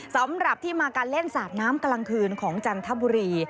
สำหรับที่มาการเล่นสาดน้ำกลางคืนของจันทบุรี